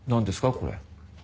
これ。